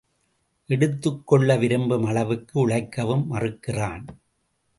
எடுத்துக்கொள்ள விரும்பும் அளவுக்கு உழைக்கவும் மறுக்கிறான்.